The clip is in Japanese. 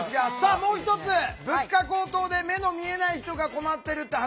もう一つ物価高騰で目の見えない人が困ってるって話。